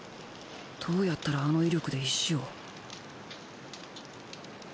どうやったらあの威力で石を